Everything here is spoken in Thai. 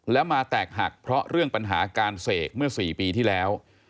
แล้วมาแตกหักเพราะเรื่องปัญหาการเสกเมื่อ๔ปีที่แล้ว